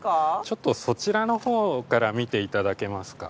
ちょっとそちらの方から見て頂けますか？